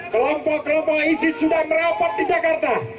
kelompok kelompok isis sudah merapat di jakarta